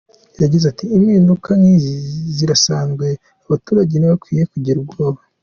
Yagize ati “Impinduka nk’izi zirasanzwe, abaturage ntibakwiye kugira ubwoba.